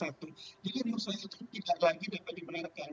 jadi menurut saya itu tidak lagi dapat dimenangkan